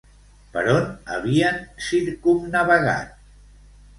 Per on havien circumnavegat?